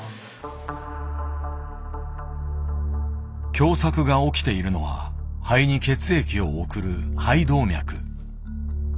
「狭さく」が起きているのは肺に血液を送る肺動脈。